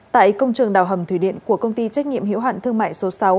tại công trường đào hầm thủy điện của công ty trách nhiệm hiểu hạn thương mại số sáu